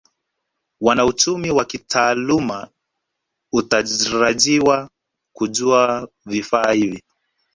Wanauchumi wa kitaalamu hutarajiwa kujua vifaa hivi